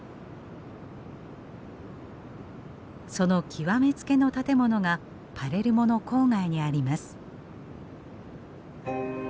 その極めつけの建物がパレルモの郊外にあります。